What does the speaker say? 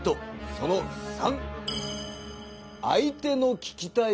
その３。